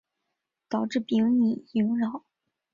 导致丙寅洋扰。